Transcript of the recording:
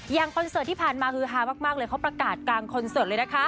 คอนเสิร์ตที่ผ่านมาฮือฮามากเลยเขาประกาศกลางคอนเสิร์ตเลยนะคะ